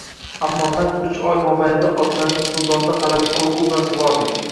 Ammo naq uch oy mobaynida otlarni suvdonda g`alati qo`rquv bilan sug`ordik